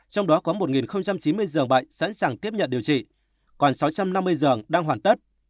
trong đó có một chín mươi giường bệnh sẵn sàng tiếp nhận điều trị còn sáu trăm năm mươi giường đang hoàn tất